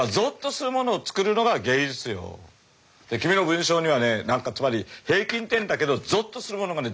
君の文章にはね何かつまり平均点だけどぞっとするものがね